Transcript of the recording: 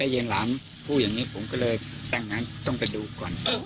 แต่เย็นหลามผู้อย่างนี้ผมก็เลยตั้งงานต้องไปดูก่อน